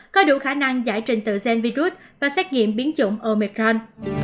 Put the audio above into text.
có đủ khả năng giải trình tựa gen virus và xét nghiệm biến chủng omicron